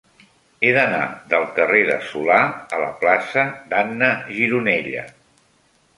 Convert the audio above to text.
He d'anar del carrer de Solà a la plaça d'Anna Gironella.